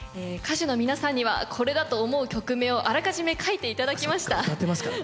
歌手の皆さんにはこれだと思う曲名をあらかじめ書いて頂きました。